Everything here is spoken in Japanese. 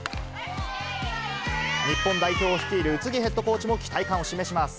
日本代表を率いる宇津木ヘッドコーチも期待感を示します。